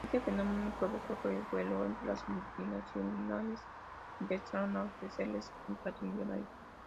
Este fenómeno provocó revuelo entre las multinacionales, que empezaron a ofrecerles contratos millonarios.